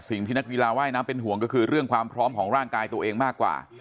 นักกีฬาว่ายน้ำเป็นห่วงก็คือเรื่องความพร้อมของร่างกายตัวเองมากกว่า